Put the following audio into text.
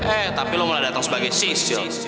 eh tapi lo malah dateng sebagai sisil